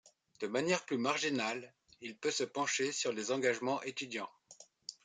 De manière plus marginale, il peut se pencher sur les engagements étudiants.